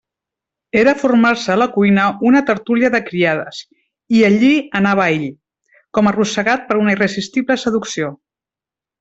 Era formar-se a la cuina una tertúlia de criades, i allí anava ell, com arrossegat per una irresistible seducció.